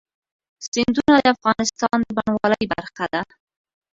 سیندونه د افغانستان د بڼوالۍ برخه ده.